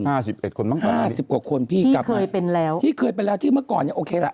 ๕๑คนบ้างก็ได้ที่เคยเป็นแล้วที่เกิดเป็นแล้วที่เมื่อก่อนโอเคละ